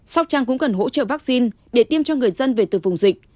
sóc trăng cũng cần hỗ trợ vaccine để tiêm cho người dân về từ vùng dịch